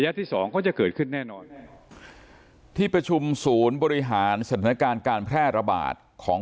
ที่สองก็จะเกิดขึ้นแน่นอนที่ประชุมศูนย์บริหารสถานการณ์การแพร่ระบาดของ